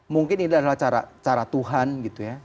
mungkin ini adalah cara tuhan gitu ya